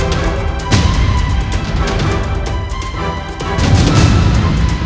namaku dia ada di dalam tangan aku